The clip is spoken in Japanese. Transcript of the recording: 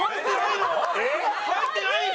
入ってないの？